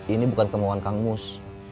ini bukan kemauan kang mus